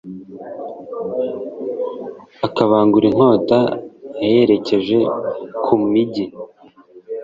akabangura inkota ayerekeje ku migi